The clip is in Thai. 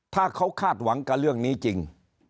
ถ้าเขาคาดหวังกับเรื่องนี้จริง